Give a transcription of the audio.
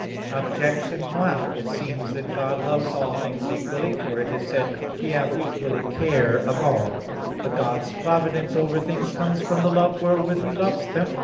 Objection 1: It seems that God loves all things equally. For it is said: "He hath equally care of all" (Wis. 6:8). But God's providence over things comes from the love wherewith He loves them.